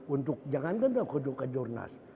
untuk jangankan dong ke jurnas